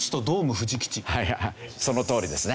そのとおりですね。